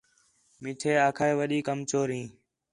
میٹھے آکھا ہِے وݙی کم چوری ہیں